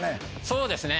そうですね。